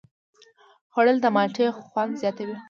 خوړل د مالټې خوند زیاتوي